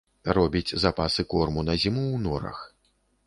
Робіць запасы корму на зіму ў норах.